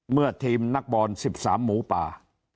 เมื่อทีมนักบอล๑๓หมูป่า